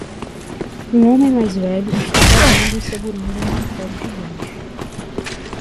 Um homem mais velho está bebendo e segurando um martelo gigante.